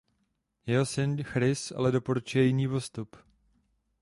Jeho syn Chris ale doporučuje jiný postup.